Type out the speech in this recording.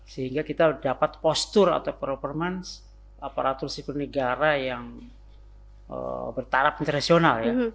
sehingga kita dapat postur atau performance aparatur sipil negara yang bertaraf internasional ya